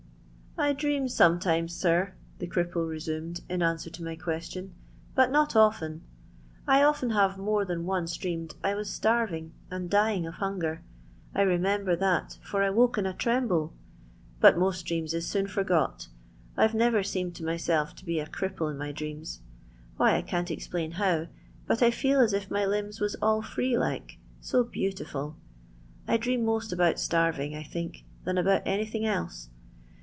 '* 1 dream sometimes, sir," the cripple resomsd in answer to my question, "but not often. I often have more than once dreamed I was starving and dying of hunger. I remember that, for I woke in a tremble. But most dreams is seen forgot I've never seemed to myself to be a cripple in my dreams. Well, I can't explain hoiTi but I feel as if my limbs was all free like so beautiful. I dream most about starving I think, than about anything else.